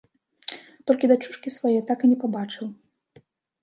Толькі дачушкі свае так і не пабачыў.